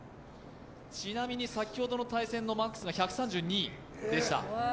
ちなみに、先ほどの対戦のマックスが１３２でした。